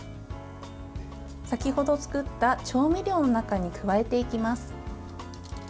先ほど作った調味料の中に加えていきます。